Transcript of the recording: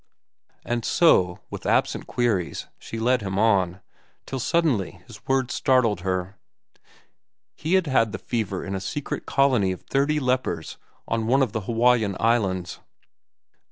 And so, with absent queries, she led him on, till suddenly his words startled her. He had had the fever in a secret colony of thirty lepers on one of the Hawaiian Islands.